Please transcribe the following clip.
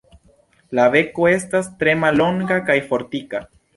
La beko estas tre mallonga kaj fortika.